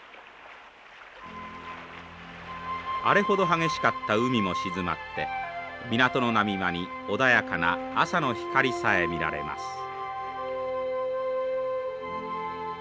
あれほど激しかった海も静まって港の波間に穏やかな朝の光さえ見られます。